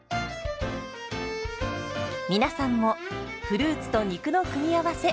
皆さんもフルーツと肉の組み合わせ